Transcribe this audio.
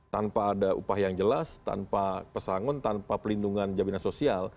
tanpa ada upah yang jelas tanpa pesangon tanpa pelindungan jaminan sosial